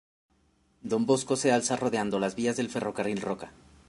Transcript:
Don Bosco se alza rodeando las vías del ferrocarril Roca.